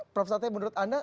prof satya menurut anda